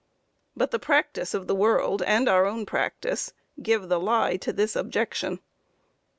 But the practice of the world, and our own practice, give the lie to this objection.